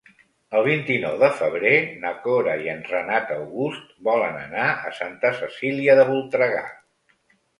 El vint-i-nou de febrer na Cora i en Renat August volen anar a Santa Cecília de Voltregà.